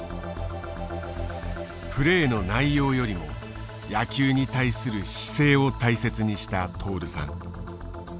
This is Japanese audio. プレーの内容よりも野球に対する姿勢を大切にした徹さん。